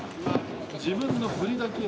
自分の振りだけを。